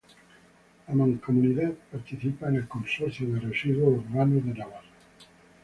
La mancomunidad participa en el Consorcio de Residuos Urbanos de Navarra.